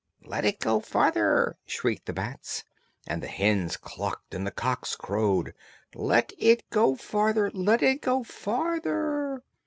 "Let it go farther," shrieked the bats, and the hens clucked and the cocks crowed, "Let it go farther! Let it go farther!"